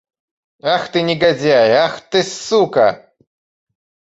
Ах, ты негодяй! Ах, ты сука!